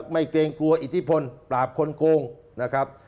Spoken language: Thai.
เกรงกลัวอิทธิพลปราบคนโกงนะครับ